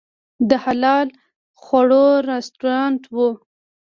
د حلال خواړو رستورانت و.